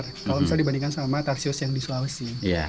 kalau misalnya dibandingkan sama tarsius yang di sulawesi